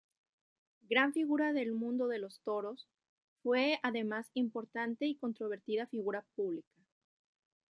Gran figura del mundo de los toros, fue además importante y controvertida figura pública.